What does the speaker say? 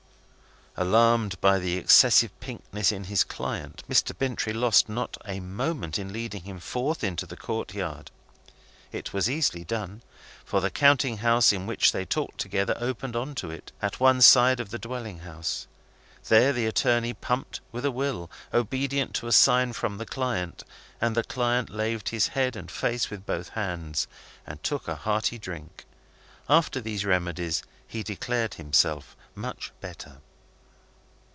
Alarmed by the excessive pinkness of his client, Mr. Bintrey lost not a moment in leading him forth into the court yard. It was easily done; for the counting house in which they talked together opened on to it, at one side of the dwelling house. There the attorney pumped with a will, obedient to a sign from the client, and the client laved his head and face with both hands, and took a hearty drink. After these remedies, he declared himself much better.